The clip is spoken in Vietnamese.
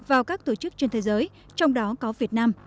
vào các tổ chức trên thế giới trong đó có việt nam